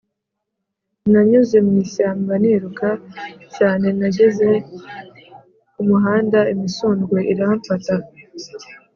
nanyuze mu ishyamba niruka cyane Nageze ku muhanda imisundwe iramfata